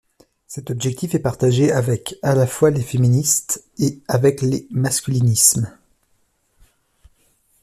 Cet objectif est partagé avec, à la fois les féministes et avec les masculinismes.